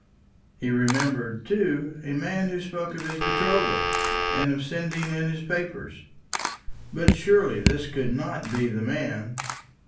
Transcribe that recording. He remembered, too, a man who spoke of his betrothal and of sending in his papers. But surely this could not be the man.